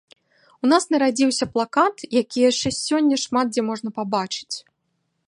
У нас нарадзіўся плакат, які яшчэ сёння шмат дзе можна пабачыць.